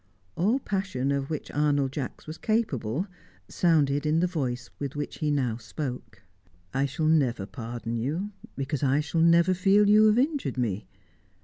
All passion of which Arnold Jacks was capable sounded in the voice with which he now spoke. "I shall never pardon you, because I shall never feel you have injured me.